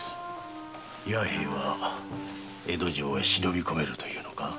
弥平は江戸城へ忍び込めるというのか？